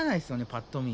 パッと見。